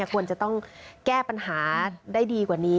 ควรจะต้องแก้ปัญหาได้ดีกว่านี้